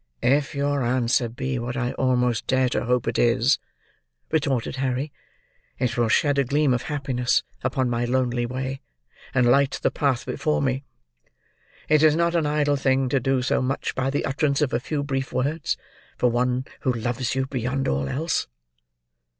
"If your answer be what I almost dare to hope it is," retorted Harry, "it will shed a gleam of happiness upon my lonely way, and light the path before me. It is not an idle thing to do so much, by the utterance of a few brief words, for one who loves you beyond all else.